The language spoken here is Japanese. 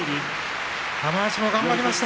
玉鷲も頑張りました。